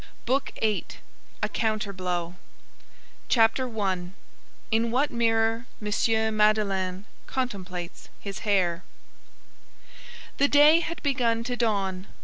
BOOK EIGHTH—A COUNTER BLOW CHAPTER I—IN WHAT MIRROR M. MADELEINE CONTEMPLATES HIS HAIR The day had begun to dawn.